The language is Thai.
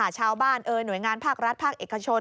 ชาวบ้านเอ่ยหน่วยงานภาครัฐภาคเอกชน